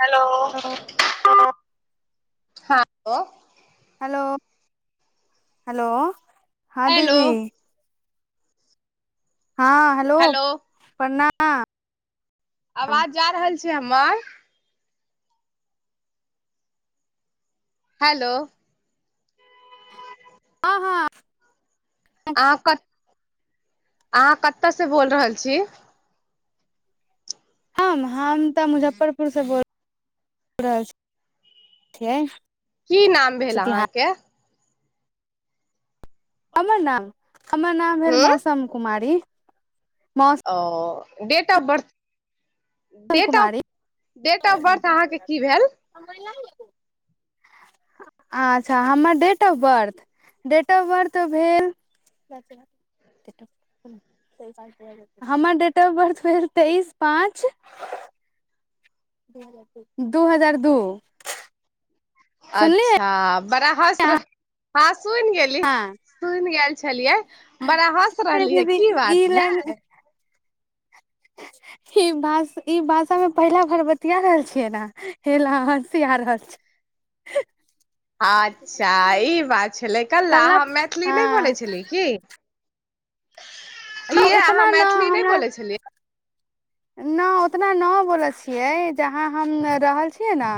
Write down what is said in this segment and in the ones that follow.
hello त हां त हेलो हेलो हाँ हेलो दीदी हँ हेलो प्रणाम आबाज जा रहल छै छै हमर हेलो आ हाँ अहाँ कत अहाँ कतयसँ बोल रहल छी हम हम तऽ मुजफ्फरपुरसँ बोल रहल छी छियै की नाम भेल सुतिहार अहाँके हमर नाम हमर नाम भेल हूँ मौसम कुमारी मौसम ओ date of birth date of Kumari date of birth अहाँके की भेल अच्छा हमरडेट ऑ बर् भेल तेइस पाँच दू हजार दू सुनलियै अच्छा बड़ा हस हस रहै सुून गेलली हँ सून गेल छलियै बड़ा हँस रहलियै दीदी की ई बात लाइन भेले ई भ ई भाषामे पहिला भर बतिया रहल छियै ने हेल हँसिया रहल छी अच्छा ई बात छलै कल् कल्ला अहाँ मैथिली नहि हँ बोलै छलियै की की य अहाँ उतना न मैथिली नहि हमरा बोलै छलियै न उतना न बोलै छियै जहाँ हम रहल छीयै ने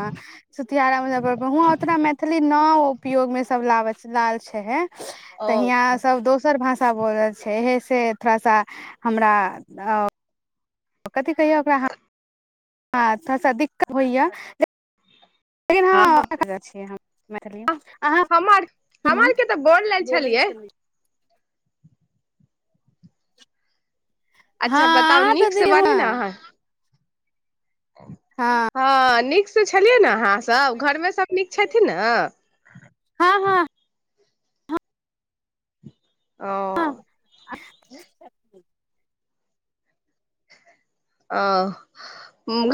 सुतियारा मुजफ्फर पर वहं उतना मैथिली न उपयोग में सब ल लाल छै हे ओ तऽ यियाँ सब दोसर भाषा भषा बोलै छै एहिसँ थोड़ा सा हमरा ओ कथी कहियौ ओकराह हँ थोड़ासा दिक्कत होइएा लेकिन हँ जाइ छियै हम [unintelligible] मैथिली अहाँ हमर हम आर के तऽ बोल लै बोलै छलियै छली हँ अच्छा बताउ अहाँ तऽ नीकसँ दीदी बा नी ने हँ अहाँके हँ निक पुछलियै ने अहाँ सब घरमे सब नीक छथिन ने हँ हँ हँ ओ हँ आ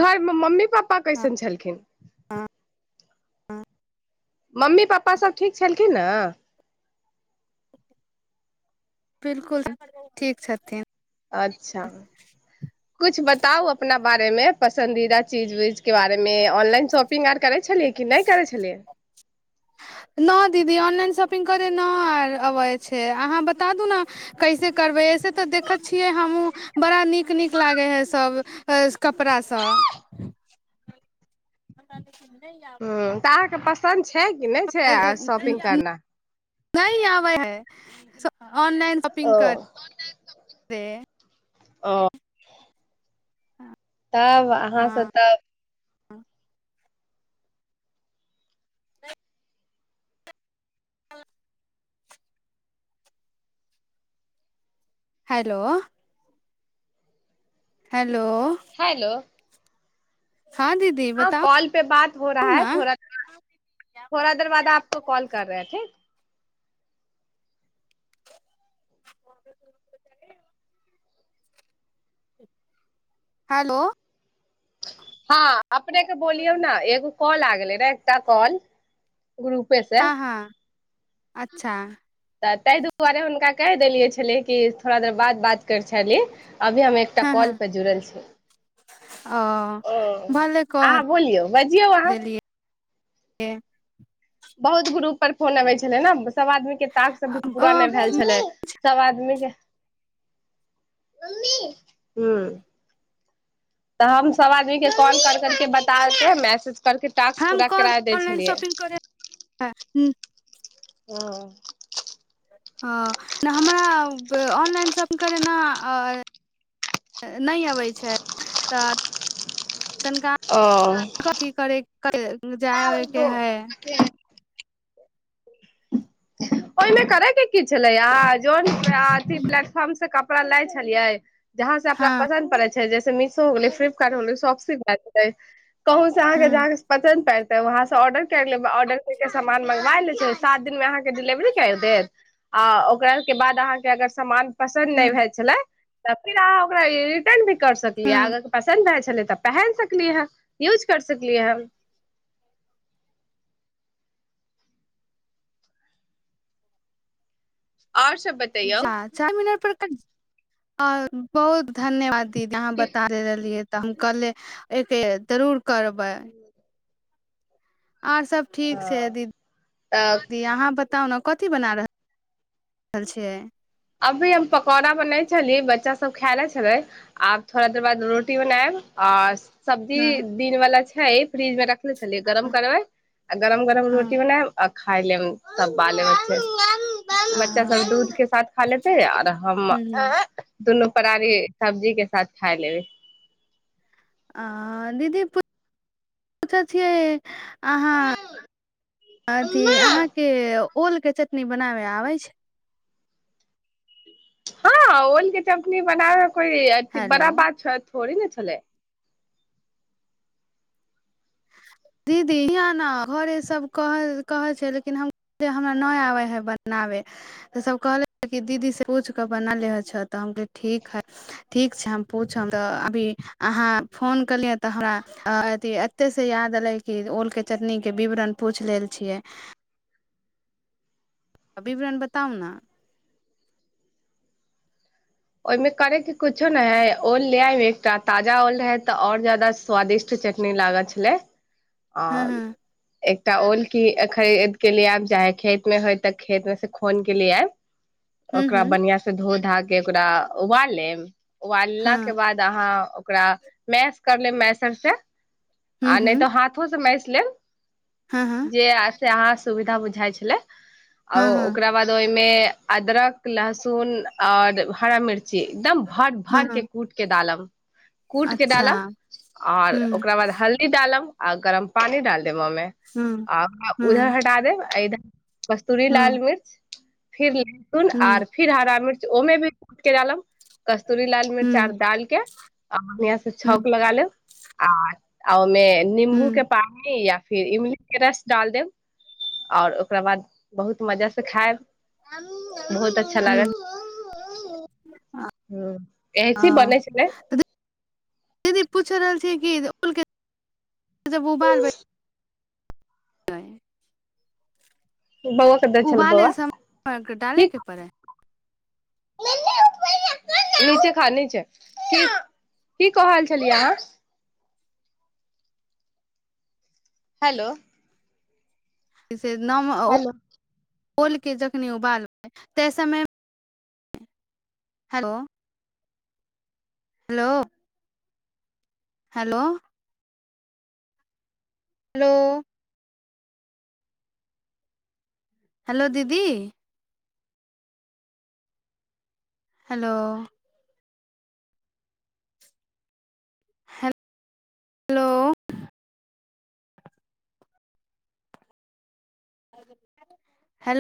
घरमे मम्मी पापा कैसन छलखिन हँ हँ मम्मी पप्पा सब ठीक छलखिन ने बिलकुल ठीक छथिन अच्छा कुछ बताउ अपना बारे में पसंन्दीदा चीज उज के बारे मे ऑनलाइन शॉपिंग आर करे छलि कि नहि करै छलियै नहि दीदी ऑनलाइन शॉपिंग करै नहि अबै छै अहाँ बता दू ने कैसे करबै एहिस तऽ देखैत छियै हमहुँ बड़ा नीक नीक लागै ह सब कपड़ासभ ह त पसन्द छै छै कि नहि छै शॉपिंग करना नहि आबै है ऑनलाइन शॉपिंग ओ करते ओ हँ तब अहाँ से तब हँ आ हेलो हेल हेलो हँ दीदी हँ बताउ कॉल पे बात हो रहा है ने थोड़ा देर थोड़ा देर बाद आपको कॉल कर रहे है ठीक हैलो हँ अपने के बोलियौ ने एगो कॉल आ गेलै र एकटा कॉल ग्रुपेसे हँ हँ अच्छा तऽ ताहि दुआरे हुनका कहि देलियै छलै कि थोड़ा देर बाद बात करैत छलि अभी हम एकटा हँ हँ कॉल पर जुड़ल छी ओ भले कह अहाँ बोलियौ बजियौ अहाँ देलियै हे बहुत ग्रुप पर फोन अबै छलै ने सब आदमी के तासक सब भी पूरा नहि भेल छलै सब आदमी के तऽ हम सब आदमी के कॉल कर करके बताते है मैसेज करके टास्क हम पूरा कह करा देै ऑनलाइन छलियै शॉपिंग करे ह हँ नहि हमरा ऑनलाइन शॉपिंग करेना नहि अबै छै तऽ तनिकाह कथी करय जाययके हइ ओहिमे करैके की छलै आ जन थी प्लेटफॉर्म से क कपड़ा लै छलियै जहाँ से अपना हँ पसन्द पड़ै जैसे मिशो हो गेलै फ्लिपकार्ट हो गेलै सबॉपसी भातै कहुं से अहाँके हँ ज पतन्द पड़त तऽ वहाँ से र्ड कर लेब ऑडर करके स समान मँंगबा लै छै सात दिन मे अहां कें डिलेभरी करि देत आ ओकरा आर के बाद अहां कें समान पसन्द नहि भइ छल तऽ फेर अहाँ ओकरा रिटर्न भी कर सकिय हँ पसन्द भए छलै तऽ प यू कर सकियै आओर सब बतैयौ जा चार मिनार पर अ बहुत धन्यवाद की यहाँ तऽ बता द रहलियै तऽ हम कहले एकके जरूर करबैय आओर सब ठीक छै दीदी दी अहाँ बताउ ने कथी बना रहल छियै अभी हम पकौड़ा बनै छली बच्चा सब खायले छैले आब थोड़ा देर बाद रोटी बनायब आ सब्जी हँ दिनवालला छै फइ फ्रिज में रखले छलियै गरम करबे आ गरम गरम हँ रोट बनायब खाय ले त बालेबच्चे आ बच्चा सब दूध के साथ हाले त आर हम हूं हूं दुनू परारी सब्जी के साथ खाय लेबै आ दीदी छिय अहाँ अथि अहाँ के ओल के चटनी बनाबे आबैय छै हँ ओल के चटनी बनाब कोइ अथि हेलो बड़ा बात छथि थोड़े ना छलैय दीदी हिआ न घरे सब कहैय छै लेकिन हमरा नहि आबे है बनाबे त सब कहले दीदी से पूछ क बनले त हम कह ठीक है ठीक छै हम पूछब त अभी अहाँ फोन केलिय तऽ हमरा एते से याद देलैय कि ओल के चटनी के विवरण पूछि लेल छियै विवरण बताउ ने ओहिमे करैके कुछो न है ओल लेब एकटा ताजा ओल रहै तऽ आओर ज्यादा स्वादिष्ट चटनी लागत छलै आ हँ हँ एकटा ओल की खरीद के लए आयब चाहे खेत में होय तऽ खेत मे से खून के लए आयब हूं ओकरा हूं बढ़आ से धो धा के ओकरा उबाल लेब उबालला के हँ बाद अहाँ ओकरा मैस करलै मैसरसँ हुँ, आ नहि हुँ, तऽ हाथो से मैस हाँ, हाँ, [inaudible] जे आ से अहाँ सुविधा बुझाइ छलै आ हाँ, हाँ, ओकरा बाद ओहि मे अदरक लहसुन और हरा मिर्च जे एकदम भर हाँ, भर के हाँ, कूट के डालम कूट के अच्छा, डालब आओर हुँ, ओकरा बाद हल्दी डालब आ गरम पानी डाल देब ओइमे हुँ, आ उधर हुँ, हटा देब इधर कस्तूरी लाल हुँ, मिर्च फिर नू न आर हुँ, फिर हरा मिर्च ओमे भी [unintelligible] तूरी लाल मिर्चा आर हुँ, डालके आ बढियां से हुँ, छौक लगा लेब आ अओ मे निम्बू के हुँ, पानि या फिर इमलीके रस डाल देब आओर ओकरा बाद बहुत मजा से खायब बहुत अच्छा हुँ, लागत हं अ, अइसे बनै छलै ल छियै कि ओलके जब उबाल बै बौआ के दै छला उबालै बौआ लए समय डालैके पड़ै नीचे खा न छै की की कहल छलियै अहाँ हेलो से नाम ओ हेलो ओल के जखनी उबालबै तै समय hello hello hello hello hello दीदी हेलो हेलो हेलो